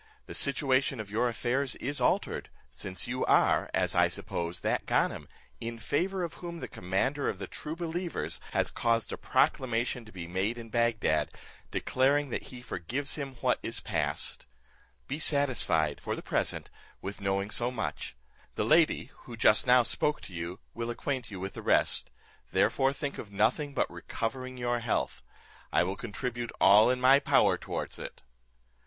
The situation of your affairs is altered, since you are, as I suppose, that Ganem, in favour of whom the commander of the true believers has caused a proclamation to be made in Bagdad, declaring, that he forgives him what is passed. Be satisfied, for the present, with knowing so much; the lady, who just now spoke to you, will acquaint you with the rest, therefore think of nothing but recovering your health; I will contribute all in my power towards it."